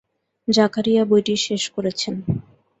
জাকারিয়া বইটি শেষ করেছেন।